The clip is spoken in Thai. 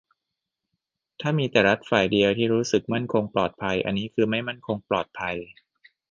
ถ้ามีแต่รัฐฝ่ายเดียวที่รู้สึกมั่นคงปลอดภัย อันนี้คือไม่มั่นคงปลอดภัย